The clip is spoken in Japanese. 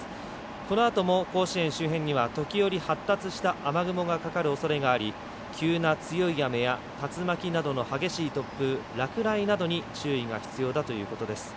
このあとも甲子園周辺には時折発達した雨雲がかかるおそれがあり急な強い雨や竜巻などの激しい突風落雷などに注意が必要ということです。